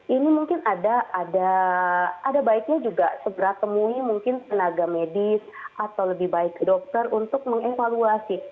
ini mungkin ada baiknya juga segera temui mungkin tenaga medis atau lebih baik dokter untuk mengevaluasi